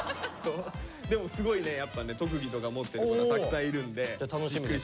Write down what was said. でもすごいねやっぱね特技とか持ってる子がたくさんいるんでゆっくり紹介していきましょう。